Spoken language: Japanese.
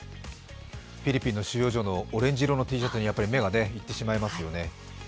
フィリピンの収容所のオレンジ色のＴシャツに目が行ってしまいますよね。